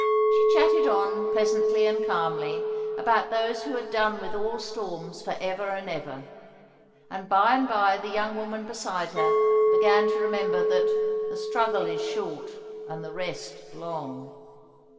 She chatted on, pleasantly and calmly, about those who had done with all storms for ever and ever; and by and by the young woman beside her began to remember that the struggle is short, and the rest long.